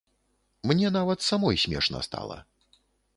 Мне нават самой смешна стала.